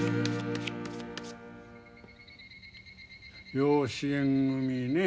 養子縁組ね。